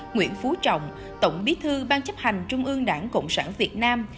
nguyễn phú trọng tổng bí thư ban chấp hành trung ương đảng cộng sản việt nam